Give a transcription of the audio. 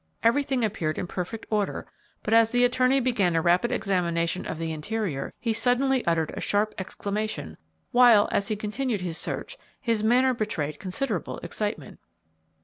Everything appeared in perfect order; but as the attorney began a rapid examination of the interior, he suddenly uttered a sharp exclamation, while, as he continued his search, his manner betrayed considerable excitement.